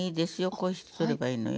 こうして取ればいいのよ。